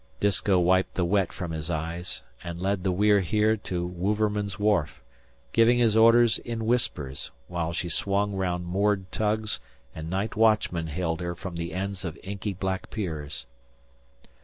Disko wiped the wet from his eyes and led the We're Here to Wouverman's wharf, giving his orders in whispers, while she swung round moored tugs and night watchmen hailed her from the ends of inky black piers.